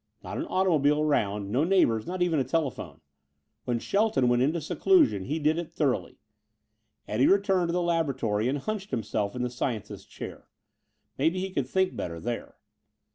Not an automobile around, no neighbors, not even a telephone. When Shelton went into seclusion, he did it thoroughly. Eddie returned to the laboratory and hunched himself in the scientist's chair. Maybe he could think better here.